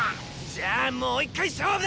じゃあもう一回勝負だ！